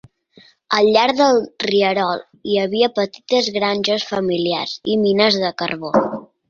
Al llarg del rierol hi havia petites granges familiars i mines de carbó.